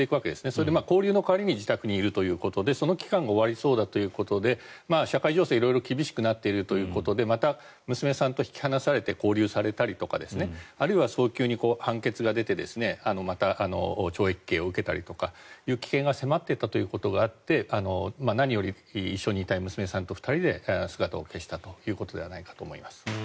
それで勾留の代わりに自宅にいるということでその期間が終わりそうだということで社会情勢が色々厳しくなっているということでまた娘さんと引き離されて勾留されたりとかあるいは、早急に判決が出てまた懲役刑を受けたりという危険が迫っていたということがあって何より一緒にいたい娘さんと２人で姿を消したということではないかと思います。